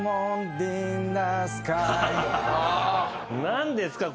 何ですか？